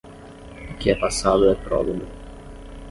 O que é passado é prólogo